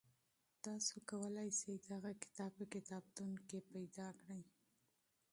تاسو کولی شئ دغه کتاب په کتابتون کي ومومئ.